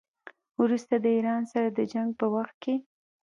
وروسته د ایران سره د جنګ په وخت کې.